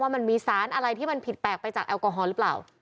มันมีสารอะไรที่มันผิดแปลกไปจากแอลกอฮอล์หรือเปล่า